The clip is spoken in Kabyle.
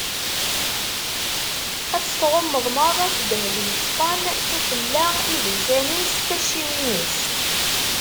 Ad t-tɣummeḍ meṛṛa s ddheb yeṣfan: s ufella, idisan-is, tacciwin-is.